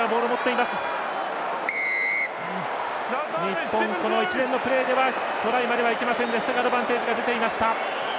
日本、この一連のプレーではトライまではいきませんでしたがアドバンテージが出ていました。